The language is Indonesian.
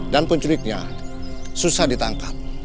dan penculiknya susah ditangkap